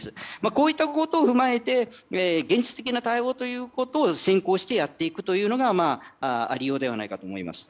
こういったことを踏まえて現実的な対応ということを先行してやっていくのがありようではないかと思います。